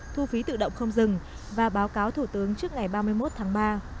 thu phí tự động không dừng và báo cáo thủ tướng trước ngày ba mươi một tháng ba